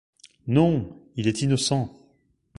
Non !… il est innocent !…